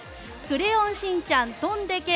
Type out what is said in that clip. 「クレヨンしんちゃんとんでけ！